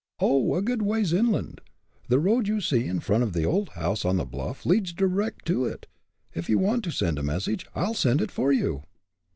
"Oh! a good ways inland. The road you see in front of the old house on the bluff leads direct to it. If you want to send a message, I'll send it for you."